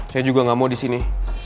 saya juga gak mau di sini